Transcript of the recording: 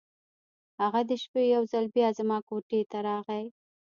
هغه د شپې یو ځل بیا زما کوټې ته راغی.